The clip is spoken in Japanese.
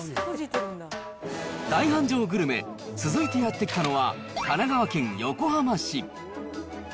大繁盛グルメ、続いてやって来たのは、神奈川県横浜市。